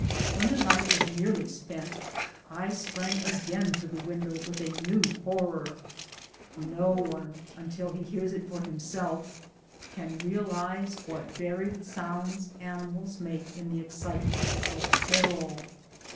When the night was nearly spent I sprang again to the window with a new horror, for no one, until he hears it for himself, can realize what varied sounds animals make in the excitement of peril.